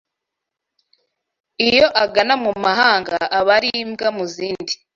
Iyo agana mu mahanga Aba ali imbwa mu zindi